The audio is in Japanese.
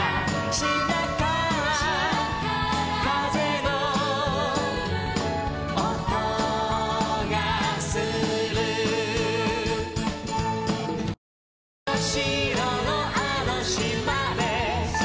「しまからかぜのおとがする」「まっしろしろのあのしまで」